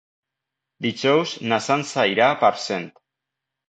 Dijous na Sança irà a Parcent.